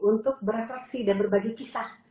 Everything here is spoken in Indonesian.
untuk berefleksi dan berbagi kisah